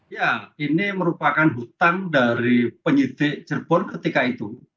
ya ini merupakan hutang dari penyidik cirebon ketika itu